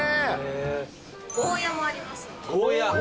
ゴーヤもありますんで。